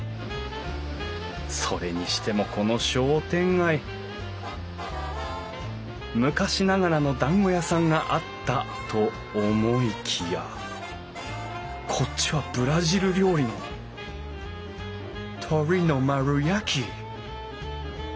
それにしてもこの商店街昔ながらのだんご屋さんがあったと思いきやこっちはブラジル料理の鶏の丸焼き！